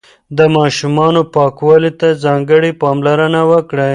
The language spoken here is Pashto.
د ماشومانو پاکوالي ته ځانګړې پاملرنه وکړئ.